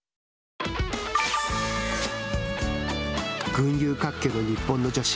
群雄割拠の日本の女子。